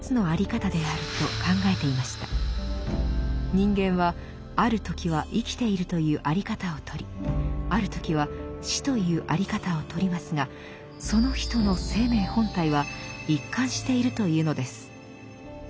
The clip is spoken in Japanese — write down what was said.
人間はある時は生きているというあり方をとりある時は死というあり方をとりますがその人の「生命本体」は一貫しているというのです。